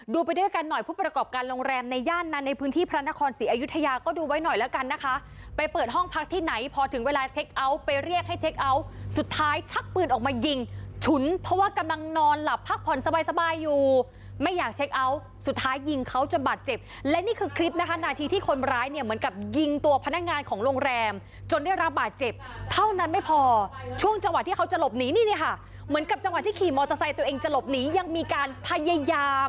ดูไปด้วยกันหน่อยผู้ประกอบการโรงแรมในย่านนั้นในพื้นที่พระนครศรีอยุธยาก็ดูไว้หน่อยแล้วกันนะคะไปเปิดห้องพักที่ไหนพอถึงเวลาเช็คเอาท์ไปเรียกให้เช็คเอาท์สุดท้ายชักปืนออกมายิงฉุนเพราะว่ากำลังนอนหลับพักผ่อนสบายอยู่ไม่อยากเช็คเอาท์สุดท้ายยิงเขาจะบาดเจ็บและนี่คือคลิปนะคะนาทีที่คนร้าย